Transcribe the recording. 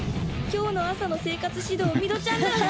今日の朝の生活指導みどちゃんだ